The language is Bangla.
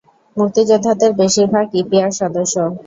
মুক্তিযোদ্ধাদের বেশির ভাগ ইপিআর সদস্য।